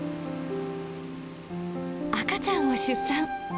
赤ちゃんを出産。